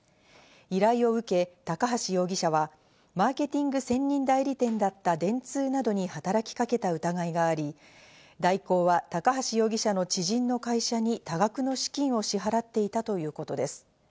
依頼を受け、高橋容疑者はマーケティング専任代理店だった電通などに働きかけた疑いがあり、大広は高橋容疑者の知人の会社に多額の資金を支払っていたということです。